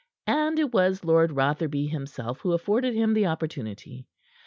And it was Lord Rotherby himself who afforded him the opportunity.